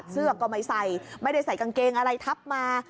เสื้อก็ไม่ใส่ไม่ได้ใส่กางเกงอะไรทับมา